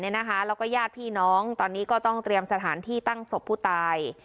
แล้วก็ญาติพี่น้องตอนนี้ก็ต้องเตรียมสถานที่ตั้งศพผู้ตาย